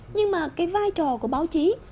nhưng mà cái vai trò của báo chí